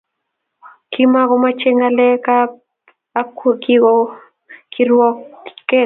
Kimakomachei ngalekab ak kirwoket